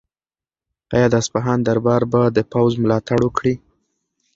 آیا د اصفهان دربار به د پوځ ملاتړ وکړي؟